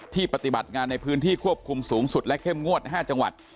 ปฏิบัติงานในพื้นที่ควบคุมสูงสุดและเข้มงวด๕จังหวัด